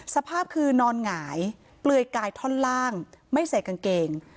สภาพคือนอนหงายเปลือยกายท่อนล่างไม่ใส่กางเกง